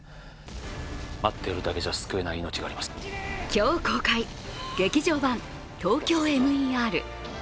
今日公開、劇場版「ＴＯＫＹＯＭＥＲ」。